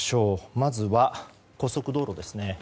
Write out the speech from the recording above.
まずは、高速道路ですね。